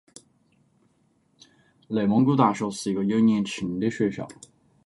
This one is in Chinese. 内蒙古大学是一个有年轻的学校。